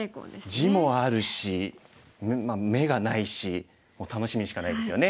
地もあるし眼がないしもう楽しみしかないですよね。